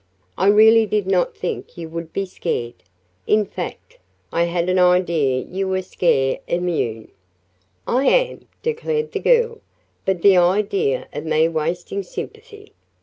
"I really did not think you would be scared in fact, I had an idea you were scare immune." "I am," declared the girl; "but the idea of me wasting sympathy!